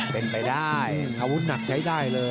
เป็นไปได้อาวุธหนักใช้ได้เลย